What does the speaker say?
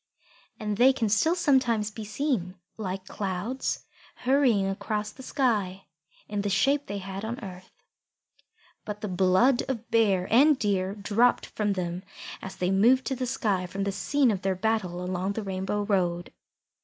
And they can still sometimes be seen, like clouds hurrying across the sky, in the shape they had on earth. But the blood of Bear and of Deer dropped from them as they moved to the sky from the scene of their battle along the Rainbow road.